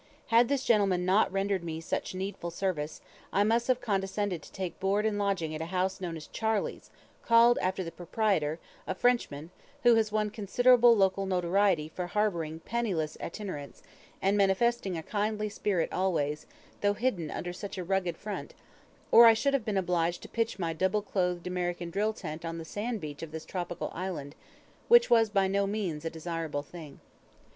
Had this gentleman not rendered me such needful service, I must have condescended to take board and lodging at a house known as "Charley's," called after the proprietor, a Frenchman, who has won considerable local notoriety for harboring penniless itinerants, and manifesting a kindly spirit always, though hidden under such a rugged front; or I should have been obliged to pitch my double clothed American drill tent on the sandbeach of this tropical island, which was by no means a desirable thing.